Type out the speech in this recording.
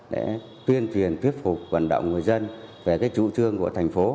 để tuyên truyền tuyết phục vận động người dân về chủ trương của thành phố